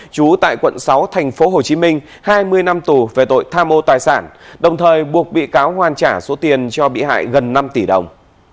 chú tại quận sáu tp hcm hai mươi năm tù về tội tham mô tài sản đồng thời buộc bị cáo hoàn trả số tiền cho bị hại gần năm tỷ đồng